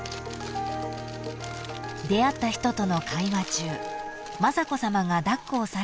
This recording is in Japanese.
［出会った人との会話中雅子さまが抱っこをされると］